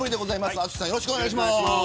淳さん、よろしくお願いします。